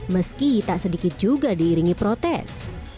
meski tak sedikit juga diiringi protes